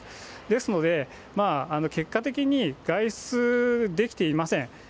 ですので、結果的に外出できていません。